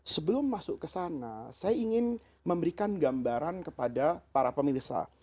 sebelum masuk ke sana saya ingin memberikan gambaran kepada para pemirsa